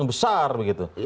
ini soal yang lebih besar